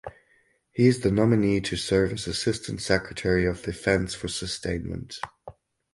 He is the nominee to serve as assistant secretary of defense for sustainment.